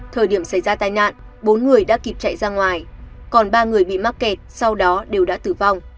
thời điểm xảy ra tai nạn bốn người đã kịp chạy ra ngoài còn ba người bị mắc kẹt sau đó đều đã tử vong